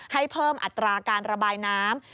ให้เพิ่มอัตราการระบายน้ำ